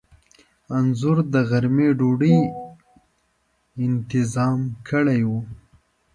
انځور د غرمې ډوډۍ انتظام کړی و.